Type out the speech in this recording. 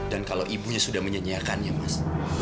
dan kalau ibunya sudah menyanyiakannya mas